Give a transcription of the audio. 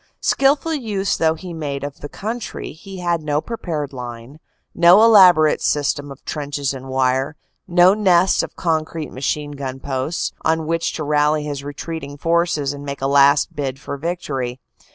Skilful use though he made of the country, he had no prepared line, no elaborate system of trenches and wire, no nests of concrete machine gun posts, on which to rally his retreating forces and make a last bid for victory.